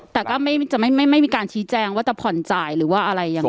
แต่ก็ไม่มีการชี้แจงว่าจะผ่อนจ่ายหรือว่าอะไรยังไง